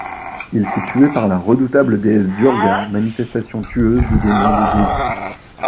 Il fut tué par la redoutable déesse Durga, manifestation tueuse de démons de Devi.